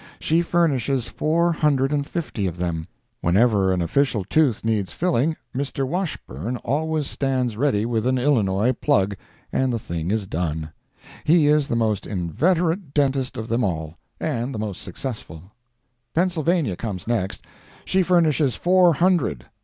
She furnishes four hundred and fifty of them! Whenever an official tooth needs filling, Mr. Washburne always stands ready with an Illinois plug, and the thing is done. He is the most inveterate dentist of them all, and the most successful. Pennsylvania comes next. She furnishes four hundred.